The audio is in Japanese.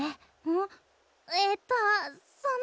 ん？ええっとその。